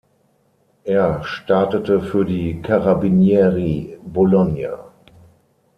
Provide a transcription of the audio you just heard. Er startete für die "Carabinieri Bologna.